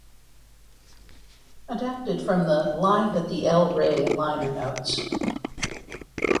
Adapted from the "Live at The El Rey" liner notes.